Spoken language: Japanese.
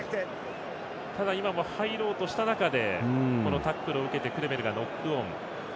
ただ、今も入ろうとした中でタックルを受けてクレメルがノックオン。